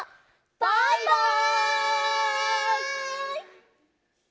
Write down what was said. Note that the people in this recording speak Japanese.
バイバイ！